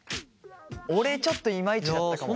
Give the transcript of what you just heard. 俺ちょっといまいちだったかも？